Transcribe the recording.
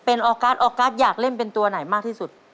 เป็นออกัสออกัสอยากเล่นเป็นตัวไหนมากที่สุด